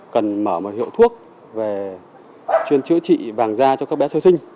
cần mở một hiệu thuốc về chuyên chữa trị vàng da cho các bé sơ sinh